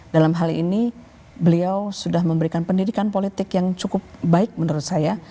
dalam hal ini beliau sudah memberikan pendidikan politik yang cukup baik menurut saya